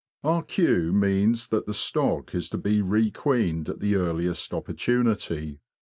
R.Q. means that the stock is to be re queened at the earliest opportunity.